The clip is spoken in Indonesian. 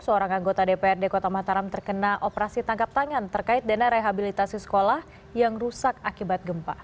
seorang anggota dprd kota mataram terkena operasi tangkap tangan terkait dana rehabilitasi sekolah yang rusak akibat gempa